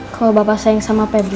kalau bapak sayang sama pebg